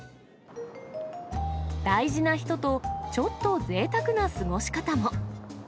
大事な人とちょっとぜいたくな過ごし方も。